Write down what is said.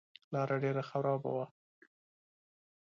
لاره ډېره خرابه وه.